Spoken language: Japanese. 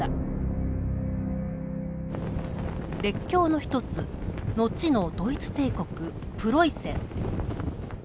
列強の一つ後のドイツ帝国プロイセン。